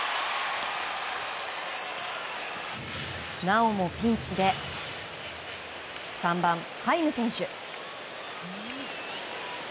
なおもピンチで３番、ハイム選手。